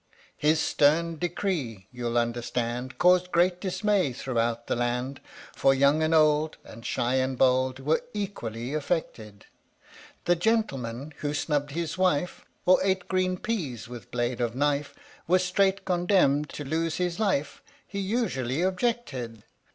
His stern decree, you'll understand, Caused great dismay throughout the land, For young and old And shy and bold Were equally affected : The gentleman who snubbed his wife Or ate green peas with blade of knife Was straight condemned to lose his life He usually objected.